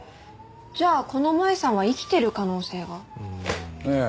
じゃあこの萌絵さんは生きてる可能性が？ねえ。